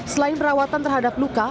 selain perawatan terhadap luka